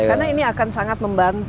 karena ini akan sangat membantu